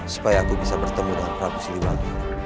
supaya aku bisa bertemu dengan prabu siliwangi